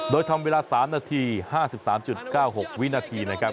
โดยทำเวลา๓นาที๕๓๙๖วินาทีนะครับ